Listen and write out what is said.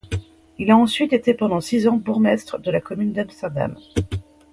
Il a ensuite été pendant six ans bourgmestre de la commune d'Amsterdam.